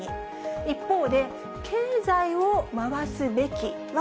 一方で、経済を回すべきは、